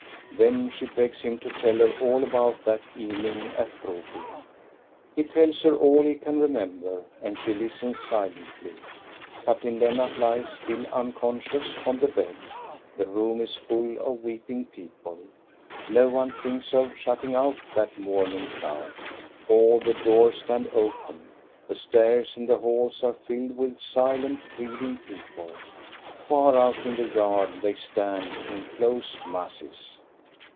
Then she begs him to tell her all about that even ing at Broby. He tells her all he can remember, and she listens silently. Captain Lennart lies still unconscious on the bed. The room is full of weeping people; no one thinks of shutting out that mourning crowd. All the doors stand open, the stairs and the halls are filled with silent, grieving people; far out in the yard they stand in close masses.